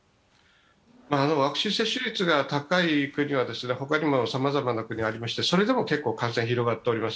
ワクチン接種率が高い国は、他にもさまざまな国ありまして、それでも結構感染は広がっております。